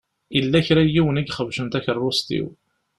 Yella kra n yiwen i ixebcen takeṛṛust-iw.